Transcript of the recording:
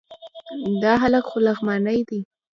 دا هلک خو لغمانی دی...